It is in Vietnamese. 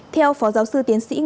theo phó giáo sư tiến sĩ nguyễn hoàng